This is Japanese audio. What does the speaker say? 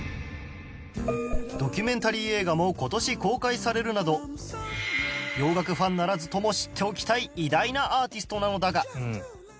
ドキュメンタリー映画も今年公開されるなど洋楽ファンならずとも知っておきたい偉大なアーティストなのだが